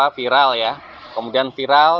viral ya kemudian viral